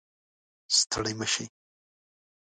ستړي مه شئ